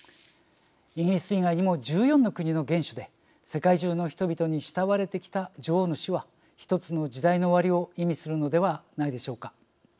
イギリス以外にも１４の国の元首で世界中の人々に慕われてきた女王の死は１つの時代の終わりを意味するのではないでしょうか。